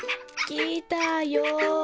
きたよ。